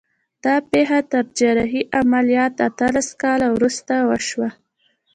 دا پېښه تر جراحي عملیات اتلس کاله وروسته وشوه